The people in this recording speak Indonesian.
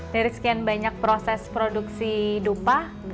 dari sekian banyak proses produksi dupa